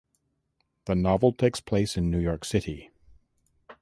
The novel takes place in New York City.